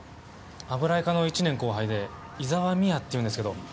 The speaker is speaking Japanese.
油絵科の１年後輩で井沢美亜っていうんですけど。